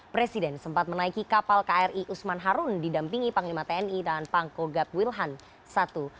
presiden sempat menaiki kapal kri usman harun didampingi panglima tni dan pangkogat wilhan i